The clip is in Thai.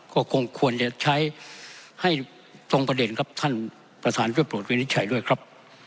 ก็คงควรจะใช้ให้ตรงประเด็นครับท่านประธานช่วยโปรดวินิจฉัยด้วยครับ